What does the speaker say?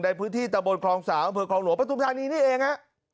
ในพื้นที่ตะบนครองสาวเผลอครองหลวงประตุภัณฑ์นี้เองนะ